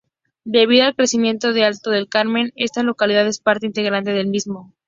Debido al crecimiento de Alto del Carmen, esta localidad es parte integrante del mismo.